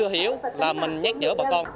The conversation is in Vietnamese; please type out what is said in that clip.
trong thiết yếu là mình nhắc nhở bà con